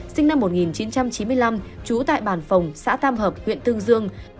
sinh năm một nghìn chín trăm chín mươi năm trú tại bản phòng xã tam hợp huyện tương dương